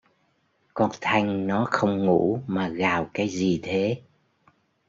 con thanh nó không ngủ mà gào cái gì thế